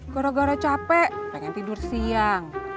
gara gara capek pengen tidur siang